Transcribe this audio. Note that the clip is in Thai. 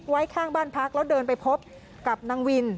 ไว้ข้างบ้านพักแล้วเดินไปพบกับนางวิน